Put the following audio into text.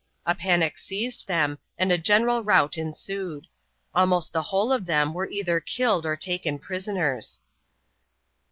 A panic seized them and a general rout ensued. Almost the whole of them were either killed or taken prisoners.